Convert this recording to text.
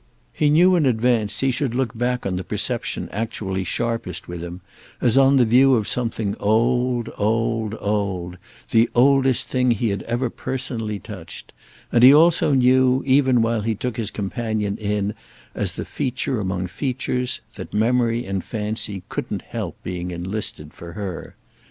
He knew in advance he should look back on the perception actually sharpest with him as on the view of something old, old, old, the oldest thing he had ever personally touched; and he also knew, even while he took his companion in as the feature among features, that memory and fancy couldn't help being enlisted for her.